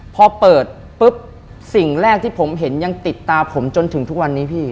พอเปิดปุ๊บสิ่งแรกที่ผมเห็นยังติดตาผมจนถึงทุกวันนี้พี่